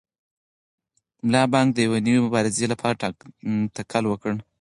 ملا بانګ د یوې نوې مبارزې لپاره تکل وکړ.